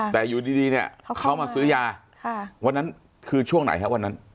แต่อยู่ดีเนี่ยเขามาซื้อยาวันนั้นคือช่วงไหนฮะวันนั้น